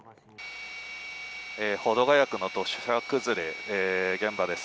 保土ケ谷区の土砂崩れ現場です。